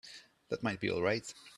That might be all right.